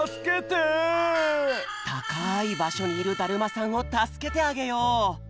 たかいばしょにいるだるまさんをたすけてあげよう！